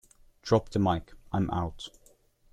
Drop the Mic, I'm out.